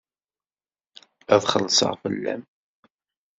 Ad xellṣeɣ fell-am.